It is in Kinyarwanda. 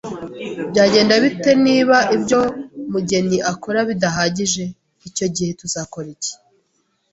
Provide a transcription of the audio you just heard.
Byagenda bite niba ibyo Mugeni akora bidahagije? Icyo gihe tuzakora iki?